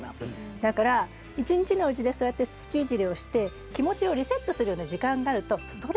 だから一日のうちでそうやって土いじりをして気持ちをリセットするような時間があるとストレスがたまらない。